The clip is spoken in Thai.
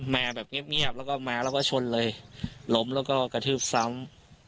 มาแบบเงียบแล้วก็มาแล้วก็ชนเลยล้มแล้วก็กระทืบซ้ำ